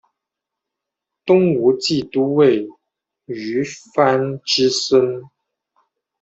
东吴骑都尉虞翻之孙。